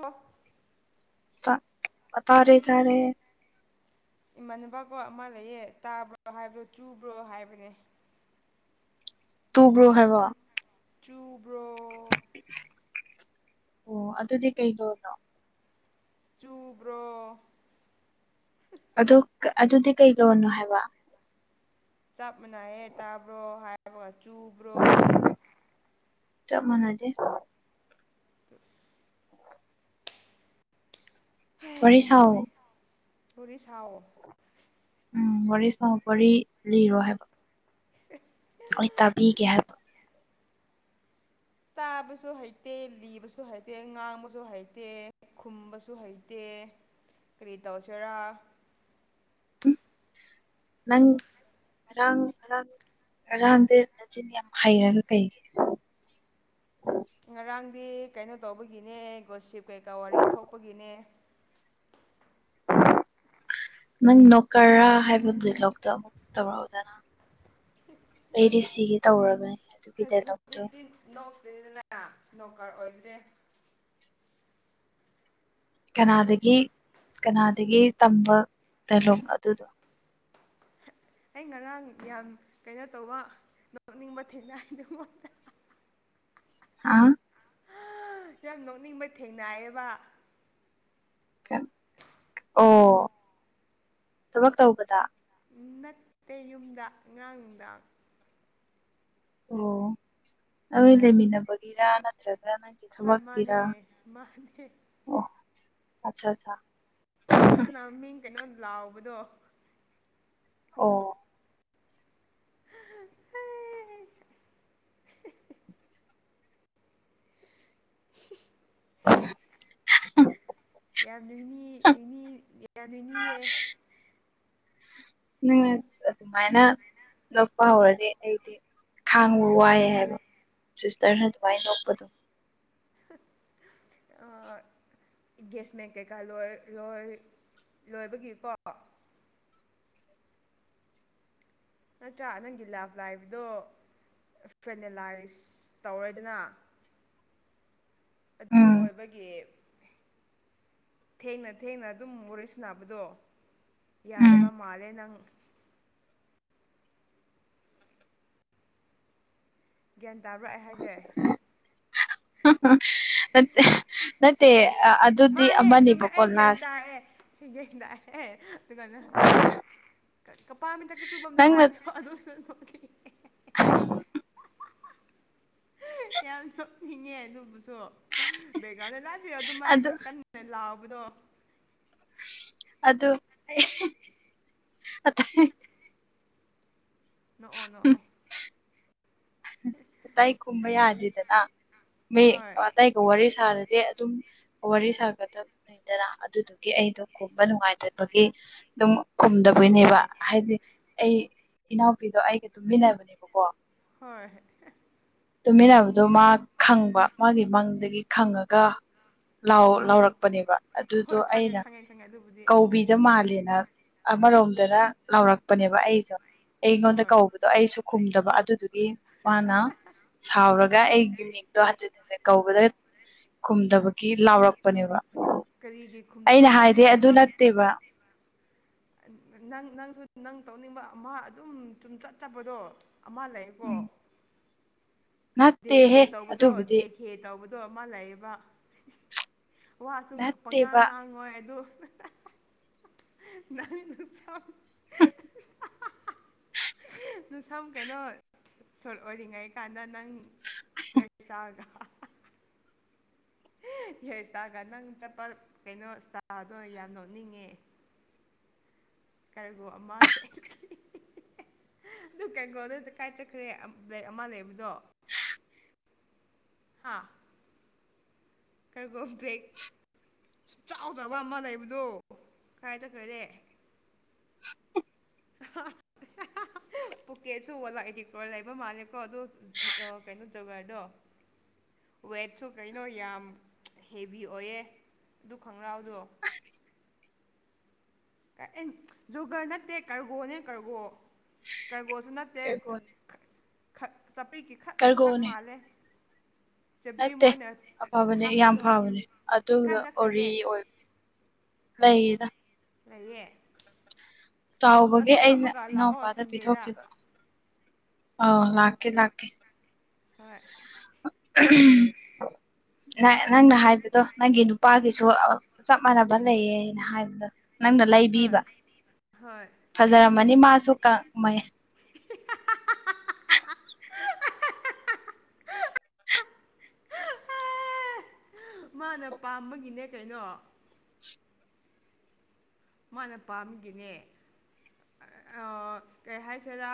ꯑꯣ ꯇꯥ ꯑ ꯇꯥꯔꯦ ꯇꯥꯔꯦ ꯏꯃꯥꯟꯅꯕꯀꯣ ꯑꯃ ꯂꯩꯌꯦ ꯇꯥꯕ꯭ꯔꯣ ꯍꯥꯏꯕꯗꯣ ꯆꯨꯕ꯭ꯔꯣ ꯍꯥꯏꯕꯅꯦ ꯇꯨꯡꯕ꯭ꯔꯣ ꯍꯥꯏꯕꯥ ꯆꯨꯕ꯭ꯔꯣ ꯑꯣ ꯑꯗꯨꯗꯤ ꯀꯩ ꯂꫭꯟ ꯅꯣ ꯆꯨꯕ꯭ꯔꯣ ꯑꯗꯨꯛ ꯑꯗꯨꯗꯤ ꯀꯩ ꯂꯣꯟꯅꯣ ꯍꯥꯏꯕ ꯆꯞ ꯃꯥꯟꯅꯏꯍꯦ ꯇꯥꯕ꯭ꯔꯣ ꯍꯥꯏꯕꯒ ꯆꯨꯕ꯭ꯔꯣ ꯆꯞ ꯃꯅꯥꯗꯦ ꯇ [unintelligible] ꯋꯥꯔꯤ ꯁꯥꯑꯣ ꯇꯨꯔꯤ ꯁꯥꯑꯣ ꯎꯝ ꯋꯥꯔꯤ ꯁꯥꯎ ꯋꯥꯔꯤ ꯂꯤꯔꯣ ꯍꯥꯏꯕ [unintelligible] ꯑꫭꯏ ꯇꯕꯤꯒ ꯍꯥꯏꯕ ꯇꯥꯕꯁꯨ ꯍꯩꯇꯦ ꯂꯤꯕꯁꯨ ꯍꯩꯇꯦ ꯉꯥꯡꯕꯁꯨ ꯍꯩꯇꯦ ꯈꯨꯝꯕꯁꯨ ꯍꯩꯇꯦ ꯀꯔꯤ ꯇꯧꯁꯤꯔꯥ ꯎꯝ ꯅꯪ ꯉꯔꯥꯡ ꯑꯔꯥꯡ ꯉꯔꯥꯡꯗ ꯅꯆꯟ ꯌꯥꯝ ꯍꯩꯔꯒ ꯀꯩꯒꯤ [inaudible] ꯉꯔꯥꯡꯗꯤ ꯀꯩꯅꯣ ꯇꯧꯕꯒꯤꯅꯦ ꯒꯣꯁꯤꯞ ꯀꯩꯀꯥ ꯋꯥꯔꯤ ꯊꯣꯛꯄꯒꯤꯅꯦ [inaudible] ꯅꯪ ꯅꯣꯀ꯭ꯔꯥꯏꫪ ꯍꯥꯏꯕ ꯂꯣꯛꯇꯣ ꯑꯃꯨꯛ ꯇꯧꯔꯛ ꯑꯣꯗꯅ ꯑꯩ ꯗꯤꯁꯤꯒꯤ ꯇꯧꯒꯅꯤ ꯑꯗꯨꯒꯤ ꯍꯧꯖꯤꯛ ꯗꯥꯏꯂꯣꯛꯇꯣ ꯍꯧꯖꯤꯛꯇꯤ ꯗꯔꯀꯥꯔ ꯑꯣꯏꯗ꯭ꯔꯦ ꯀꯅꯥꯗꯒꯤ ꯀꯅꯥꯗꯒꯤ ꯇꯝꯕ ꯗꯥꯏꯂꯣꯛꯅꫭ ꯑꯗꯨꯗꯣ ꯑꯩ ꯉꯔꯥꯡ ꯌꯥꯝ ꯀꯩꯅꯣ ꯇꯧꯕ ꯅꯣꯛꯅꯤꯡꯕ ꯊꯦꯡꯅꯗꯨꯃꯛꯇ ꯑꯥꯡ ꯌꯥꯝ ꯅꯣꯛꯅꯤꯡꯕ ꯊꯦꯡꯅꯌꯦꯕ ꯑꯣ ꯊꯕꯛ ꯇꯧꯕꯗ ꯅꯠꯇꯦ ꯌꯨꯝꯗ ꯉꯔꯥꯡ ꯅꯨꯡꯗꯥꯡ ꯑꯣ ꯑꯎ ꯂꯩ ꯃꯤꯅꯥꯕꯒꯤꯔꯥ ꯅꯠꯇ꯭ꯔ ꯍꯣꯏ ꯃꯥꯅꯦ ꯃꯥꯅꯦ ꯑꯁꯥ ꯑꯁꯥ ꯐꯖꯅ ꯃꯤꯡ ꯀꯩꯅꯣ ꯂꯥꯎꯕꯗꯣ ꯑꯣ [unintelligible] [unintelligible] ꯌꯥꯝ ꯅꯤꯅꯤꯅꯤ ꯌꯥꯝ ꯅꯤꯅꯤꯌꯦ ꯅꯪ ꯑꯗꯨꯃꯥꯏꯅ ꯅꯣꯛꯄ ꯍꯧꯔꯗꯤ ꯑꯩꯗꯤ ꯈꯥꯡꯕ ꯋꯥꯏꯑꯦ ꯍꯥꯏꯕ ꯁꯤꯁꯇꯔꯅ ꯑꯗꯨꯃꯥꯏ ꯅꯣꯛꯄꯗꯣ ꯊꯨꯡ ꯑꯥꯡꯏ ꯒꯦꯁꯃꯦꯟ ꯀꯩꯀꯥ ꯂꯣꯏꯣꯏ ꯂꯣꯏꯕꯒꯤꯀꯣ ꯅꯠꯇ꯭ꯔꯥ ꯅꯪꯒꯤ ꯂꯥꯞ ꯂꯥꯏꯕꯗꯣ ꯐꯦꯅꯦꯂꯥꯏꯁ ꯇꯧꯔꯣꯏꯗꯅ ꯑꯗꯨ ꯎꯝ ꯑꯣꯏꯕꯒꯤ ꯊꯦꯡꯅ ꯊꯦꯡꯅ ꯑꯗꯨꯝ ꯋꫪꯤ ꯁꯅꯕꯗꯣ ꯎꯝ ꯌꯥꯗꯕ ꯃꯥꯜꯂꯦ ꯅꯪ ꯒ꯭ꯌꯥꯟ ꯇꯥꯕꯔꯛꯑꯦ ꯍꯥꯏꯁꯦ ꯃꯦ ꯃꯦ ꯃꯥꯅꯦ ꯆꯨꯝꯃꯦ ꯑꯩ ꯒꯦꯟ ꯇꯥꯏꯔꯦ ꯒꯦꯟ ꯇꯥꯏꯔꯦ ꯑꯗꯨ ꯀꯩꯅꯣ ꯀꯄꯥ ꯃꯤꯇ ꯀ ꯁꯨꯝꯗ ꯍꯥꯏꯕ ꯑꯗꯨ ꯍ [unintelligible] ꯌꯥꯝ ꯁꯄꯉ ꯑꯗꯨ ꯑꯗꯨ ꯕꯥꯒꯅ [unintelligible] ꯇꯕꯗꯣ ꯑꯗ ꯑꯩ ꯅ‌ꯣꯛꯑꯣ ꯅ‌ꯣꯛꯑꯣ ꯇꯥꯏ ꯈꯨꯝꯕ ꯌꯥꯗꯦꯗꯅ ꯃꯤ ꯍꯣꯏ ꯑꯇꯥꯏꯒ ꯋꯥꯔꯤ ꯁꯥꯔꯗꯤ ꯑꯗꯨꯝ ꯋꯥꯔꯤ ꯁꯥꯒꯗꯕꯅꯤꯗꯅ ꯑꯗꯨꯗꯨꯒꯤ ꯑꯩꯗꯣ ꯈꯨꯝꯕ ꯅꯨꯡꯉꯥꯏꯇꯕꯒꯤ ꯑꯗꯨꯝ ꯈꯨꯝꯗꯕ ꯇꯣꯏꯅꯦꯕ ꯍꯥꯏꯗꯤ ꯑꯩ ꯏꯅꯥꯎꯄꯤꯗꯣ ꯑꯩꯒ ꯇꯨꯝꯃꯤꯟꯅꯕꯅꯦꯕꯀꯣ ꯍꯣꯏ ꯇꯨꯃꯤꯟꯅꯕꯗꯣ ꯃꯥ ꯈꯪꯕ ꯃꯥꯒꯤ ꯃꯪꯗꯒꯤ ꯈꯪꯉꯒ ꯑꯣ ꯂꯥꯎꯔꯛꯄꯅꯦꯕ ꯑꯗꯨꯗꯣ ꯍꯣꯏ ꯈꯪꯉꯦ ꯑꯩꯅ ꯈꯪꯉꯦ ꯈꯪꯉꯦ ꯑꯗꯨꯕꯨꯗꯤ ꯀꯧꯕꯤꯗ ꯃꯥꯜꯂꯦꯅ ꯑꯃꯔꯣꯝꯗꯅ ꯂꯥꯎꯔꯛꯄꯅꯦꯕ ꯑꯩꯁꯨ ꯑꯩꯉꯣꯟꯗ ꯍꯣꯏ ꯀꯧꯕꯗꯣ ꯑꯩꯁꯨ ꯈꯨꯝꯗꯕ ꯑꯗꯨꯗꯨꯒꯤ ꯃꯥꯅ ꯁꯥꯎꯔꯒ ꯑꯩꯒꯤ ꯃꯤ ꯑꯗꯣ ꯍꯟꯖꯤꯟ ꯍꯟꯖꯤꯜ ꯀꯧꯕꯗ ꯈꯨꯝꯗꯕꯒꯤ ꯂꯥꯎꯔꯛꯄꯅꯦꯕ ꯀꯔꯤꯒꯤ ꯑꯩꯅ ꯈꯨꯝꯗꯕꯗꯣ ꯅꯪꯁꯨ ꯍꯥꯏꯗꯤ ꯑꯗꯨ ꯀꯩꯅꯣ ꯅꯠꯇꯦꯕ ꯅꯪ ꯅꯪꯁꯨ ꯅꯪ ꯇꯧꯅꯤꯡꯕ ꯑꯃ ꯑꯗꯨꯝ ꯆꯨꯝ ꯆꯠꯇꯕꯗꯣ ꯑꯃ ꯂꯩꯌꯦꯀꯣ ꯎꯝ ꯗꯦ ꯈꯦ ꯅꯠꯇꯦꯍꯦ ꯇꯧꯕꯗꯣ ꯑꯗꯨꯕꯨꯗꯤ ꯗꯦ ꯈꯦ ꯇꯧꯕꯗꯣ ꯑꯗꯨ ꯑꯃ ꯂꯩꯌꯦꯕ ꯋꯥꯁꯨ ꯄꯉꯥꯡ ꯅꯠꯇꯦꯕ ꯉꯥꯡꯉꯣꯏ ꯑꯗꯨ ꯅꯤꯅ [unintelligible] ꯅ ꯁꯝ ꯀꯩꯅꯣ ꯁꯣꯔ ꯑꯣꯏꯔꯤꯉꯩ ꯀꯥꯟꯗ ꯅꯪ ꯌꯦꯠ [unintelligible] ꯍꯏꯒ ꯅꯪ ꯆꯠꯄ ꯀꯩꯅꯣ ꯆꯇꯥꯗꯣ ꯌꯥꯝ ꯅꯣꯛꯅꯤꯡꯉꯦ ꯀꯔꯒꯣ ꯑꯃꯥꯁꯦ ꯑꯗꯨ ꯀꯩꯀꯣ ꯑꯗꯨ ꯀꯥꯏ ꯆꯠꯈ꯭ꯔꯦ ꯑꯃ ꯂꯩꯕꯗꯣ ꯍꯥꯥ ꯀꯔꯒꯣ ꯕꯦꯛ ꯁꯨꯡ ꯆꯥꯎꯗꯕ ꯑꯃ ꯂꯩꯕꯗꯣ ꯀꯥꯏ ꯆꯠꯈ꯭ꯔꯒꯦ [unintelligible] ꯑ ꯄꯨꯀꯦꯁꯨ ꯋꯥꯂꯥꯛꯏꯗꯤ ꯀꯣꯔ ꯂꯩꯕ ꯃꯥꯜꯂꯦꯀꯣ ꯑꯗꯨ ꯀꯩꯅꯣ ꯖꯒꯥꯔꯗꯣ ꯋꯦꯠꯁꯨ ꯀꯩꯅꯣ ꯌꯥꯝ ꯍꯦꯚꯤ ꯑꯣꯏꯌꯦ ꯑꯗꯨ ꯈꯪꯒ꯭ꯔꯥꯎꯗꯣ ꯎ ꯖꯣꯒꯔ ꯅꯠꯇꯦ ꯀꯔꯒꯣꯅꯦ ꯀꯔꯒꯣ ꯀꯔꯒꯣꯁꯨ ꯅꯠꯇꯦ ꯀꯔꯒꯣꯅꯦ ꯆꯄꯤꯛꯀꯤ ꯈꯛ ꯈꯔ ꯀꯔꯒꯣꯅꯦ ꯃꯥꯜꯂꯦ ꯆꯕ꯭ꯔꯤ ꯅꯠꯇꯦ ꯃꯣꯏꯅ ꯑꯐꯕꯅꯦ ꯌꯥꯝ ꯍꯥꯞꯄꯗꯣ ꯐꯕꯅꯦ ꯑꯗꯨ ꯀꯥꯏ ꯑꯣꯔꯤ ꯆꯠꯈ꯭ꯔꯒꯦ ꯑꯣꯏꯕ [unintelligible] ꯂꯩꯗ ꯂꯩꯌꯦ ꯆꯥꯎꯕꯒꯤ ꯑꯗꯨ ꯑꯩꯅ ꯍꯥꯞꯄꯒ ꯂꯥꯛꯑꯣ ꯏꯅꯥꯎꯄꯥꯗ ꯁꯟꯗꯦꯗ ꯄꯤꯊꯣꯛꯈꯤꯕ ꯑ ꯂꯥꯛꯀꯦ ꯂꯥꯛꯀꯦ ꯍꯣꯏ ꯅꯪꯅ ꯁꯝꯁꯨ ꯍꯥꯏꯕꯗꯣ ꯅꯪꯒꯤ ꯅꯨꯄꯥ ꯁꯨ ꯆꯞ ꯃꯥꯟꯅꯕ ꯂꯩꯌꯦꯅ ꯍꯥꯏꯕꯗꯣ ꯅꯪꯅ ꯍꯣꯏ ꯂꯩꯕꯤꯕ ꯍꯣꯏ ꯐꯖꯔꯝꯃꯅꯤ ꯃꯥꯁꯨ ꯀ ꯃꯦ [unintelligible] ꯃꯥꯅ ꯄꯥꯝꯕꯒꯤꯅꯦ ꯀꯩꯅꯣ ꯃꯥꯅ ꯄꯥꯝꯒꯤꯅꯦ ꯑꯣ ꯀꯩ ꯍꯥꯏꯁꯤꯔꯥ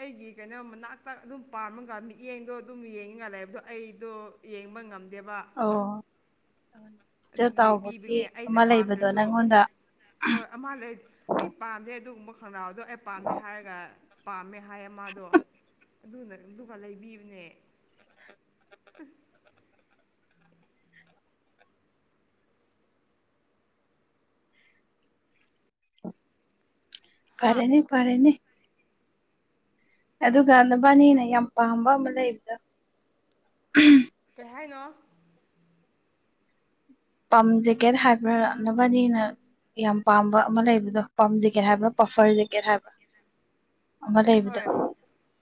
ꯑꯩꯒꯤ ꯀꯩꯅꯣ ꯃꯅꯥꯛꯇ ꯑꯗꯨꯝ ꯄꯥꯝꯃꯒ ꯃꯤ ꯌꯦꯡꯗꯣ ꯑꯗꯨꯝ ꯌꯦꯡꯉꯤ ꯉ ꯂꯩꯑꯕꯗꯣ ꯑꯩꯗꯣ ꯌꯦꯡꯕ ꯉꯝꯗꯦꯕ ꯏꯆ ꯑꯗꯨꯒꯤ ꯆꯥꯎꯕꯒꯤ ꯂꯩꯕꯤꯕꯅꯦ ꯑꯩꯅ ꯑꯃ ꯂꯩꯕꯗꯣ ꯄꯥꯝꯗ꯭ꯔꯁꯨ ꯅꯪꯉꯣꯟꯗ ꯍꯣꯏ ꯑꯃꯥ ꯂꯩ ꯑꯩ ꯄꯥꯗꯦ ꯑꯗꯨꯒꯨꯝꯕ ꯈꯣꯡꯒ꯭ꯔꯥꯎꯗꯣ ꯑꯩ ꯄꯥꯝꯗꯦ ꯍꯥꯏꯔꯒ ꯄꯥꯝꯃꯦ ꯍꯥꯏꯌꯦ ꯃꯥꯗꯣ ꯑꯗꯨꯅ ꯑꯗꯨꯃ ꯂꯩꯕꯤꯕꯅꯦ ꯍꯥ ꯄꯔꯦꯅꯤ ꯄꯔꯦꯅꯤ ꯑꯗꯨꯒ ꯅꯨꯕꯥꯅꯤꯅ ꯌꯥꯝ ꯄꯥꯝꯕ ꯑꯃ ꯂꯩꯕꯗꯣ ꯑꯝ ꯀꯩ ꯍꯥꯏꯅꯣ ꯄꯥꯝ ꯖꯦꯀꯦꯠ ꯍꯥꯏꯕ꯭ꯔ ꯅꯕꯥꯅꯤꯅ ꯌꯥꯝ ꯄꯥꯝꯕ ꯑꯃ ꯂꯩꯕꯗꯣ ꯄꯥꯝ ꯖꯦꯀꯦꯠ ꯍꯥꯏꯕ꯭ꯔꯥ ꯄꯐꯔ ꯖꯦꯀꯦꯠ ꯍꯥꯏꯕ꯭ꯔ ꯑꯃ ꯂꯩꯕꯗꯣ ꯍꯣꯏ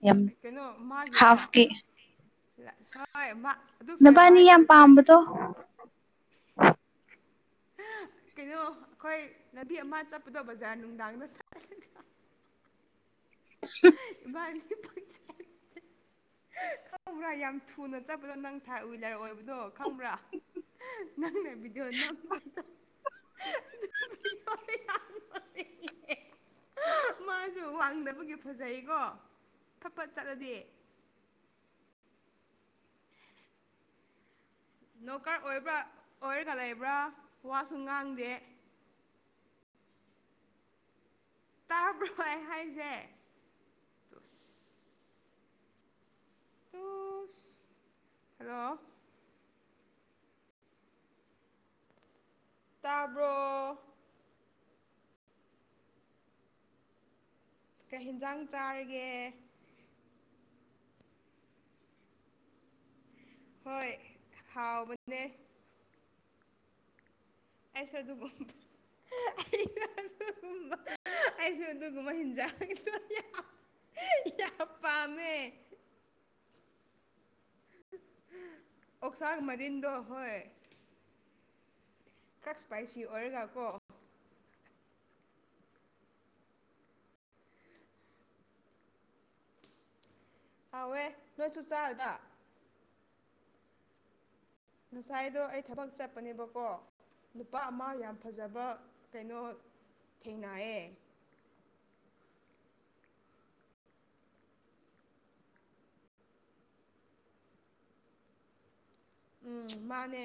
ꯌꯥꯝ ꯀꯩꯅꯣ ꯃꯥꯒꯤꯔꯣ ꯍꯥꯐꯀꯤ ꯍꯣꯏ ꯃꯥ ꯑꯗꯨ ꯅꯕꯥꯅꯤ ꯐꯦꯚꯥꯏꯠ ꯌꯥꯝ ꯑꯣꯏꯈ꯭ꯔꯦ ꯄꯥꯝꯕꯗꯣ ꯀꯩꯅꯣ ꯑꯩꯈꯣꯏ ꯂꯝꯕꯤ ꯑꯃ ꯆꯠꯄꯗꯣ ꯕꯖꯥꯔ ꯅꯨꯡꯗꯥꯡꯗ ꯆꯠ ꯑꯟꯏꯟꯇꯦꯜꯂꯤꯖꯦꯕꯜ ꯑꯟꯏꯟꯇꯦꯜꯂꯤꯖꯦꯕꯜ ꯈꯪꯕ꯭ꯔꯥ ꯌꯥꯝ ꯊꯨꯅ ꯆꯠꯄꯗꯣ ꯅꯪ ꯊꯥꯔꯠ ꯍꯋꯤꯂꯔ ꯑꯣꯏꯕꯗꯣ ꯈꯪꯕ꯭ꯔꯥ ꯅꯪꯅ ꯕꯤꯗꯤꯌꯣ ꯞ ꯃꯥꯁꯨ ꯋꯥꯡꯗꯕꯒꯤ ꯐꯖꯩꯀꯣ ꯐ ꯐꯠ ꯆꯠꯂꯗꯤ ꯅꯣꯀꯔ ꯑꯣꯏꯕ꯭ꯔꯥ ꯑꯣꯏꯔꯒ ꯂꯩꯕ꯭ꯔꯥ ꯋꯥꯁꯨ ꯉꯥꯡꯗꯦ ꯇꯥꯕ꯭ꯔꯣ ꯑꯩ ꯍꯥꯏꯁꯦ ꯁ ꯇꯨꯁ ꯍꯜꯂꯣ ꯇꯥꯕ꯭ꯔꯣ ꯀꯩ ꯍꯤꯟꯖꯥꯡ ꯆꯥꯔꯒꯦ ꯍꯣꯏ ꯍꯥꯎꯕꯅꯦ ꯑꯦꯁꯦ ꯗꯨꯕꯨ ꯑꯟꯏꯟꯇꯦꯜꯂꯤꯖꯦꯕꯜ ꯄꯥꯝꯃꯦ ꯑꯣꯛꯁꯥꯛ ꯃꯔꯤꯟꯗꯣ ꯍꯣꯏ ꯈꯔ ꯏꯁꯄꯥꯏꯁꯤ ꯑꯣꯏꯔꯒ ꯀꯣ ꯍꯥꯎꯋꯦ ꯅꯣꯏ ꯆꯨ ꯆꯥꯒ ꯉꯁꯥꯏꯗꯣ ꯑꯩ ꯊꯕꯛ ꯆꯠꯄꯅꯦꯕꯀꯣ ꯅꯨꯄꯥ ꯑꯃ ꯌꯥꯝ ꯐꯖꯕ ꯀꯩꯅꯣ ꯊꯦꯡꯅꯥꯑꯦ ꯎꯝ ꯃꯥꯅꯦ